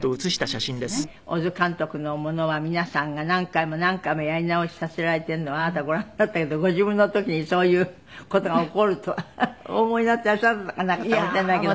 小津監督のものは皆さんが何回も何回もやり直しさせられているのをあなたご覧になったけどご自分の時にそういう事が起こるとはお思いになっていらっしゃらなかったかもしれないけど。